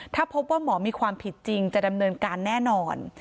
ถ้าพบว่าหมอมีความผิดจริงจะดำเนินการแน่นอน